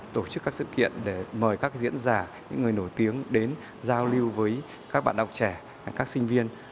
tổ chức các sự kiện để mời các diễn giả những người nổi tiếng đến giao lưu với các bạn đọc trẻ các sinh viên